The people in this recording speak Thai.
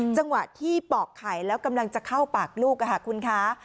จังหวะที่ปอกไข่แล้วกำลังจะเข้าปากลูกคุณคะ